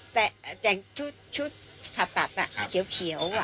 แต่แต่งชุดผ่าตัดเขียว